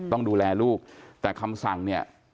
ต้องดูแลลูกแต่คำสั่งเนี่ย